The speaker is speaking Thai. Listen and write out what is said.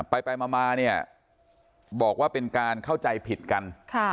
ไปมาเนี่ยบอกว่าเป็นการเข้าใจผิดกัน